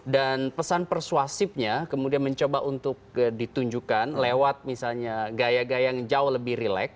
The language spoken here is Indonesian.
dan pesan persuasifnya kemudian mencoba untuk ditunjukkan lewat misalnya gaya gaya yang jauh lebih relax